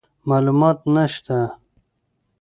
معلومات نشته،